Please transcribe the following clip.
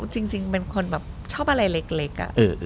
จริงเป็นคนแบบชอบอะไรเล็ก